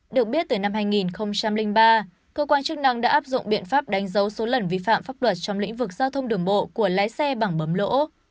được biết từ năm hai nghìn ba cơ quan chức năng đã áp dụng biện pháp đánh dấu số lần vi phạm pháp luật trong lĩnh vực giao thông đường bộ của lái xe bằng bấm lỗ